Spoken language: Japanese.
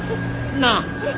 なあ。